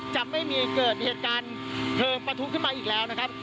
จะไม่มีเกิดเหตุการณ์เพลิงประทุขึ้นมาอีกแล้วนะครับ